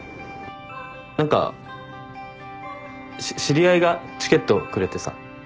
何かし知り合いがチケットくれてさ。